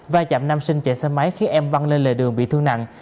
và chạm nam sinh chạy xe máy khiến em văn lên lề đường bị thương nặng